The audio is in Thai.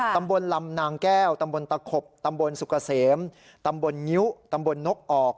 ตำบลลำนางแก้วตำบลตะขบตำบลสุกเกษมตำบลงิ้วตำบลนกออก